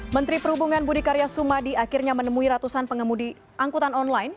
menteri perhubungan budi karya sumadi akhirnya menemui ratusan pengemudi angkutan online